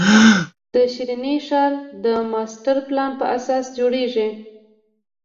د ښرنې ښار د ماسټر پلان په اساس جوړېږي.